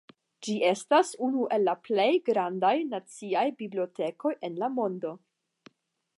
Ĝi estas unu el plej granda naciaj bibliotekoj en la mondo.